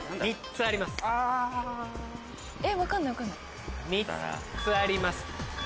３つあります。